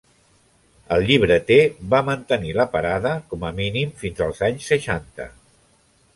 El llibreter va mantenir la parada com a mínim fins als anys seixanta.